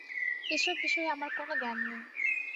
এসব বিষয়ে আমার কোনো জ্ঞান নেই।